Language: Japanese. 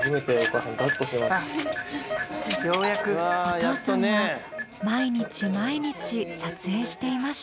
お父さんは毎日毎日撮影していました。